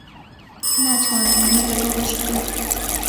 ناتوانم ئەمەت لەگەڵ بەش بکەم.